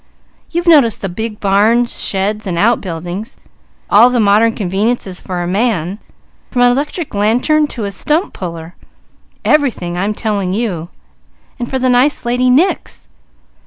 You've noticed the big barns, sheds and outbuildings, all the modern conveniences for a man, from an electric lantern to a stump puller; everything I'm telling you and for the nice lady, nix!